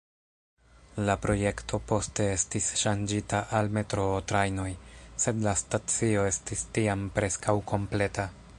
La projekto poste estis ŝanĝita al metroo-trajnoj, sed la stacio estis tiam preskaŭ kompleta.